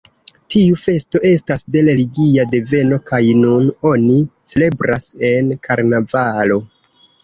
Tiu festo estas de religia deveno kaj nun oni celebras en karnavalo.